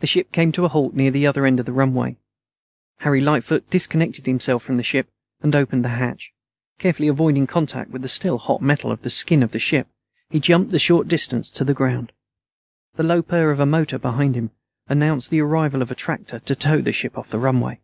The ship came to a halt near the other end of the runway. Harry Lightfoot disconnected himself from the ship and opened the hatch. Carefully avoiding contact with the still hot metal skin of the ship, he jumped the short distance to the ground. The low purr of a motor behind him announced the arrival of a tractor to tow the ship off the runway.